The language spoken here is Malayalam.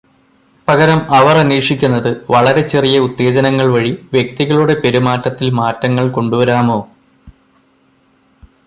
പകരം അവർ അന്വേഷിക്കുന്നത് വളരെ ചെറിയ ഉത്തേജനങ്ങൾവഴി വ്യക്തികളുടെ പെരുമാറ്റത്തിൽ മാറ്റങ്ങൾ കൊണ്ടുവരാമോ